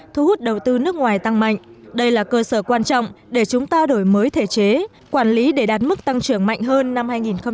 thu hút đầu tư nước ngoài tăng mạnh đây là cơ sở quan trọng để chúng ta đổi mới thể chế quản lý để đạt mức tăng trưởng mạnh hơn năm hai nghìn hai mươi